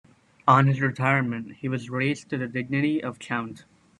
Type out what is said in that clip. On his retirement he was raised to the dignity of count.